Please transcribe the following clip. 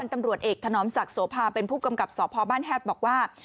ตำรวจเอกถนอมศักดิ์โสภาเป็นผู้กำกับสพบ้านแฮดบอกว่า